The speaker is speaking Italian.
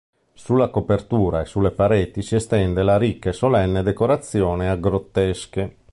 Sulla copertura e sulle pareti si estende la ricca e solenne decorazione a grottesche.